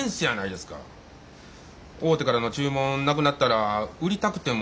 大手からの注文なくなったら売りたくても売られへんのですわ。